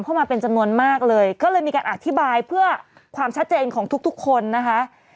เข้ามาเป็นจำนวนมากเลยก็เลยมีการอธิบายเพื่อความชัดเจนของทุกทุกคนนะคะ